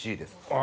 あ！